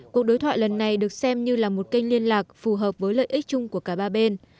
cuộc đối thoại lần này được xem như là một kênh liên lạc phù hợp với lợi ích chung của cả ba bên